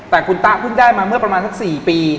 แต่คุณตะเพิ่งได้มาเมื่อประมาณสัก๔ปี